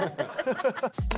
ハハハ！